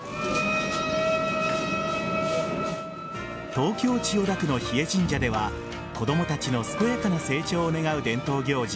東京・千代田区の日枝神社では子供たちの健やかな成長を願う伝統行事